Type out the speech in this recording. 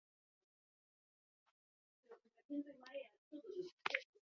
Herrialde eta hizkuntza askotako jendea zegoen eta elkar ulertzeko beharra.